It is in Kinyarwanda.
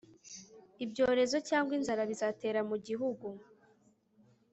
ibyorezo cyangwa inzara bizatera mugihugu